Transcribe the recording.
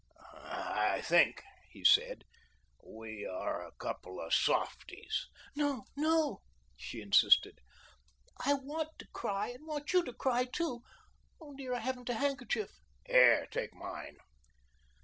"I think," he said, "we are a couple of softies." "No, no," she insisted. "I want to cry and want you to cry, too. Oh, dear, I haven't a handkerchief." "Here, take mine."